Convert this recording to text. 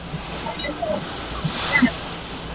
Ka santlaihlonak nih an di a riamh ngai hna.